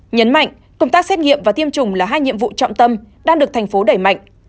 nhấn mạnh công tác xét nghiệm và tiêm chủng là hai nhiệm vụ trọng tâm đang được thành phố đẩy mạnh